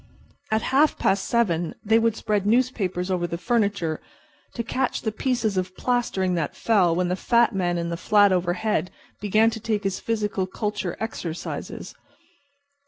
At half past seven they would spread newspapers over the furniture to catch the pieces of plastering that fell when the fat man in the flat overhead began to take his physical culture exercises.